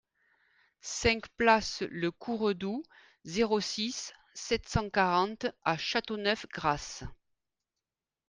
cinq place Le Courredou, zéro six, sept cent quarante à Châteauneuf-Grasse